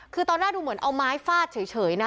คือตอนแรกดูเหมือนเอาไม้ฟาดเฉยนะ